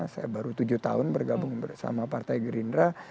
saya baru tujuh tahun bergabung bersama partai gerindra